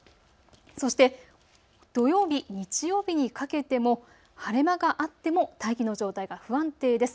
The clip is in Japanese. そして、土曜日、日曜日にかけても晴れ間があっても大気の状態が不安定です。